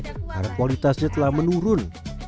karena kualitasnya telah menurun